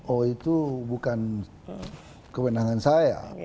oh itu bukan kewenangan saya